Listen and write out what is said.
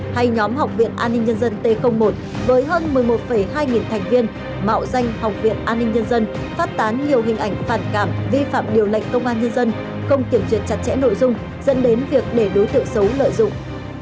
hay nhóm học viện an ninh nhân dân t một với hơn một mươi một hai nghìn thành viên mạo danh học viện an ninh nhân dân phát tán nhiều hình ảnh phản cảm vi phạm điều lệnh công an nhân dân không kiểm duyệt chặt chẽ nội dung dẫn đến việc để đối tượng xấu lợi dụng